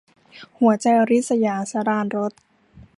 หัวใจริษยา - สราญรส